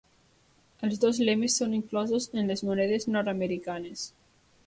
Els dos lemes són inclosos en les monedes Nord-Americanes.